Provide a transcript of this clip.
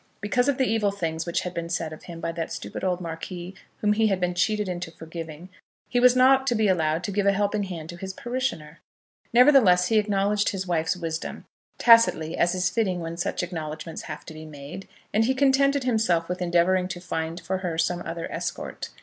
Because of the evil things which had been said of him by that stupid old Marquis whom he had been cheated into forgiving, he was not to be allowed to give a helping hand to his parishioner! Nevertheless, he acknowledged his wife's wisdom, tacitly, as is fitting when such acknowledgments have to be made; and he contented himself with endeavouring to find for her some other escort.